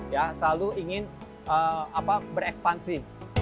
ya selalu ingin berekspansi